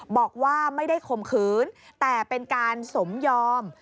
บอกว่าไม่ได้ข่มขืนแต่เป็นการสมยอม